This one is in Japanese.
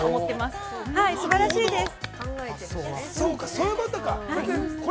すばらしいです。